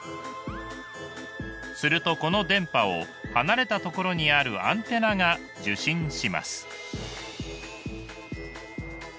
するとこの電波を離れたところにあるアンテナが受信します。